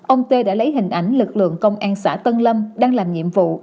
ông tê đã lấy hình ảnh lực lượng công an xã tân lâm đang làm nhiệm vụ